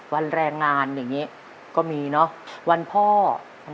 วันแรงงานอย่างนี้ก็มีเนาะ